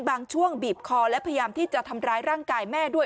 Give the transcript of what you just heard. บางช่วงบีบคอและพยายามที่จะทำร้ายร่างกายแม่ด้วย